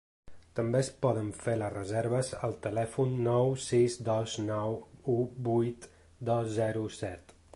També es poden fer les reserves al telèfon nou sis dos nou u vuit dos zero set.